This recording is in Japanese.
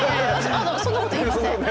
そんなこと言いません。